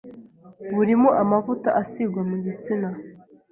Burimo amavuta asigwa mu gitsina